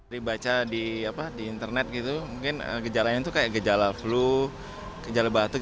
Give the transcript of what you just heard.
dibaca di internet gitu mungkin gejalanya itu kayak gejala flu gejala batuk